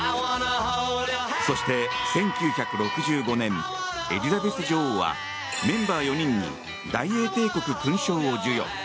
そして１９６５年エリザベス女王はメンバー４人に大英帝国勲章を授与。